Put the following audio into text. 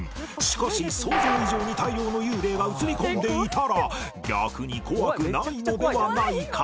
しかし想像以上に大量の幽霊が写り込んでいたら逆に怖くないのではないか？